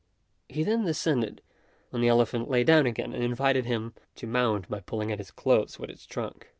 He then descended, when the elephant lay down again and invited him to mount by pulling at his clothes with its trunk.